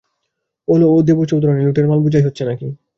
ওলো, ও দেবীচৌধুরানী, লুঠের মাল বোঝাই হচ্ছে নাকি?